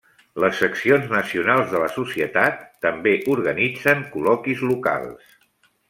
Les seccions nacionals de la societat també organitzen col·loquis locals.